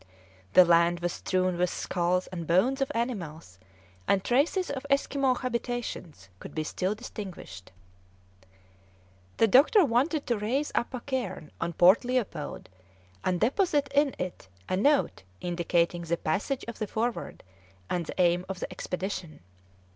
The land was strewn with skulls and bones of animals, and traces of Esquimaux habitations could be still distinguished. The doctor wanted to raise up a cairn on Port Leopold, and deposit in it a note indicating the passage of the Forward, and the aim of the expedition.